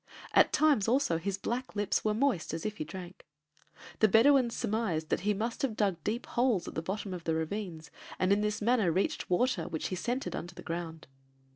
At times also his black lips were moist as if he drank. The Bedouins surmised that he must have dug deep holes at the bottom of the ravines, and in this manner reached water which he scented under the ground.